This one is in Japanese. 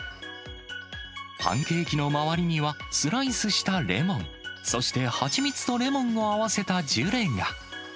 パンケーキの周りには、スライスしたレモン、そして蜂蜜とレモンを合わせたジュレが。